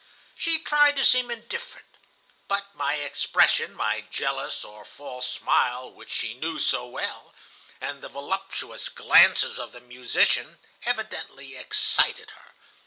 "She tried to seem indifferent. But my expression, my jealous or false smile, which she knew so well, and the voluptuous glances of the musician, evidently excited her.